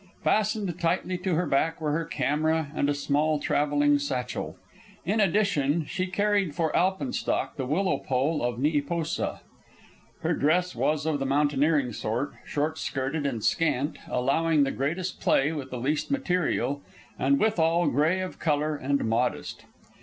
Fastened tightly to her back were her camera and a small travelling satchel. In addition, she carried for alpenstock the willow pole of Neepoosa. Her dress was of the mountaineering sort, short skirted and scant, allowing the greatest play with the least material, and withal gray of color and modest.